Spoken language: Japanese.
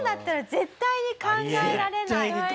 絶対に考えられない。